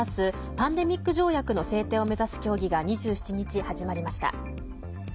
パンデミック条約の制定を目指す協議が２７日始まりました。